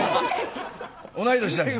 同い年だし。